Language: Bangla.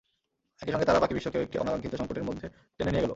একই সঙ্গে তারা বাকি বিশ্বকেও একটি অনাকাঙ্ক্ষিত সংকটের মধ্যে টেনে নিয়ে গেল।